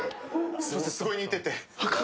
すみません、すごい似てて。